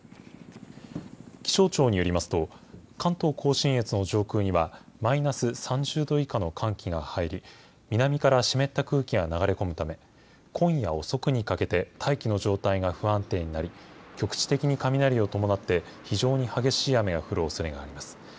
気象庁によりますと、関東甲信越の上空には、マイナス３０度以下の寒気が入り、南から湿った空気が流れ込むため、今夜遅くにかけて大気の状態が不安定になり、局地的に雷を伴って、非常に激しい雨が降るおそれがあります。